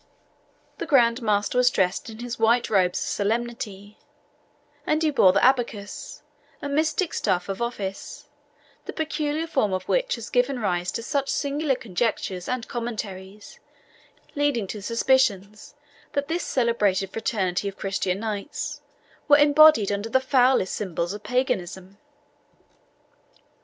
The Grand Master was dressed in his white robes of solemnity, and he bore the ABACUS, a mystic staff of office, the peculiar form of which has given rise to such singular conjectures and commentaries, leading to suspicions that this celebrated fraternity of Christian knights were embodied under the foulest symbols of paganism.